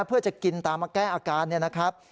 เพื่อจะกินตามมาแก้อาการเนี่ยนะครับ